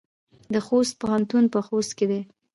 د خوست پوهنتون په خوست کې دی